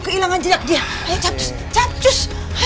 keilangan jejak dia ayo capcus